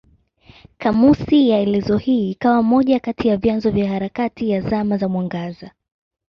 Kamusi elezo hii ikawa moja kati ya vyanzo vya harakati ya Zama za Mwangaza.